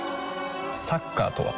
サッカーとは？